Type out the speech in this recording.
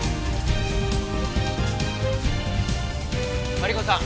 マリコさん。